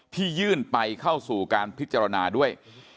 ที่ยื่นไปเข้าสู่การพิจารณาด้วย